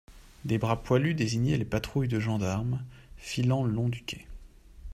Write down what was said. Des bras poilus désignaient les patrouilles de gendarmes, filant le long du quai.